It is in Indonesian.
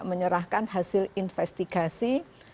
menyerahkan hasil investigasi